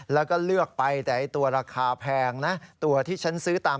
และก็เลือกไปแต่ตัวราคาแพงนะ